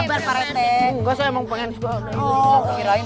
kenapa kamu melakukan semua ini